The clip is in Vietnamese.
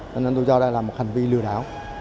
cho nên tôi cho đây là một hành vi lừa đảo